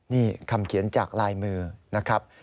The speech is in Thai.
นี่คำเขียนจากลายมือนะครับ